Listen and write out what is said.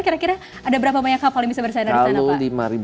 kira kira ada berapa banyak kapal yang bisa bersandar di sana pak